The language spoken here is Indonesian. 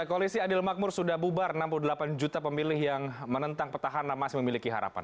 koalisi adil makmur sudah bubar enam puluh delapan juta pemilih yang menentang petahana masih memiliki harapan